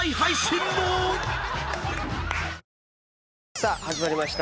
さあ始まりました。